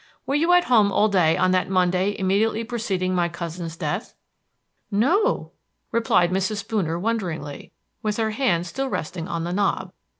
Were you at home all day on that Monday immediately preceding my cousin's death?" "No," replied Mrs. Spooner wonderingly, with her hand still resting on the knob.